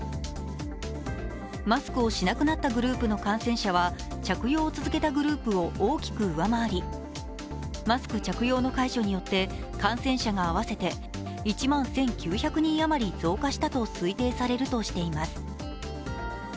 マスクをしなくなったグループの感染者は着用を続けたグループを大きく上回り、マスク着用の解除によって感染者が合わせて一万１９００人あまり増加したと推定されるとしています。